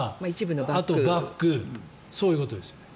あとバッグそういうことですね。